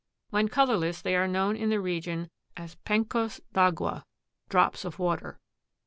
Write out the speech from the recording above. When colorless they are known in the region as "pingos d'Agua" (drops of water).